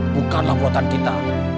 bukanlah buatan kita